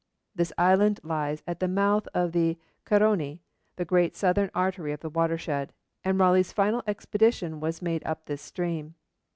This island lies at the mouth of the Caroni, the great southern artery of the watershed, and Raleigh's final expedition was made up this stream.